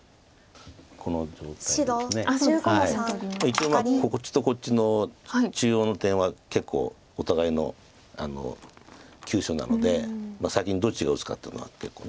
一応こっちとこっちの中央の点は結構お互いの急所なので先にどっちが打つかっていうのは結構。